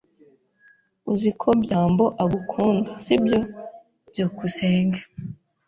Uzi ko byambo agukunda, sibyo? byukusenge